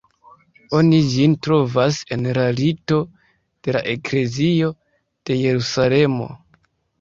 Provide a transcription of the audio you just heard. Oni ĝin trovas en la Rito de la Eklezio de Jerusalemo.